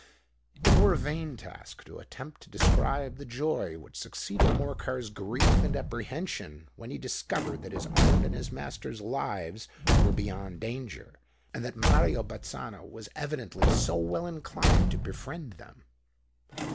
It were a vain task to attempt to describe the joy which succeeded Morcar's grief and apprehension, when he discovered that his own and his master's lives were beyond danger, and that Mario Bazzano was evidently so well inclined to befriend them.